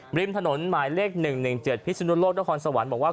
ริมถนนหมายเลข๑๑๗พิศนุโลกนครสวรรค์บอกว่า